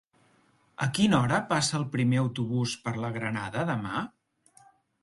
A quina hora passa el primer autobús per la Granada demà?